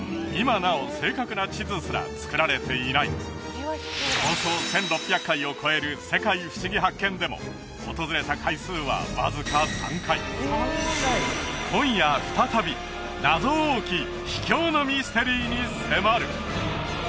今なお正確な地図すら作られていない放送１６００回を超える「世界ふしぎ発見！」でも訪れた回数はわずか３回今夜再び謎多き秘境のミステリーに迫る！